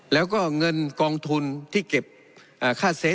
แล้วก็เงินกองทุนที่เก็บค่าเซฟ